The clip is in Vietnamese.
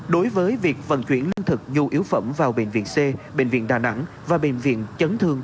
đối với việc vận chuyển lương thực nhu yếu phẩm vào bệnh viện c bệnh viện đà nẵng và bệnh viện chấn thương